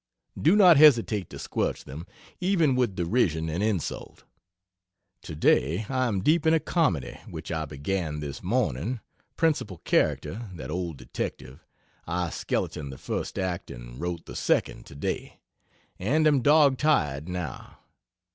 Do not hesitate to squelch them, even with derision and insult. Today I am deep in a comedy which I began this morning principal character, that old detective I skeletoned the first act and wrote the second, today; and am dog tired, now.